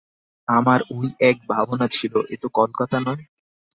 আমার ঐ এক ভাবনা ছিল, এ তো কলকাতা নয়!